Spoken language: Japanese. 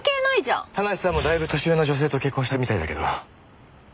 田無さんもだいぶ年上の女性と結婚したみたいだけど。